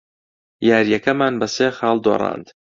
یارییەکەمان بە سێ خاڵ دۆڕاند.